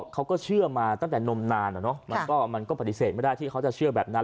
เขาก็เชื่อมาตั้งแต่นมนานมันก็ปฏิเสธไม่ได้ที่เขาจะเชื่อแบบนั้น